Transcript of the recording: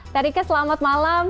terike selamat malam